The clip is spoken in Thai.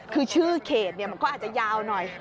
คือชื่อเขตมันก็อาจจะยาวหน่อย